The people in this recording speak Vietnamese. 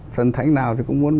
thần thánh nào thì cũng muốn